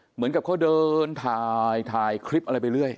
เหมือนกับเขาเดินถ่ายคลิปอะไรไปเรื่อย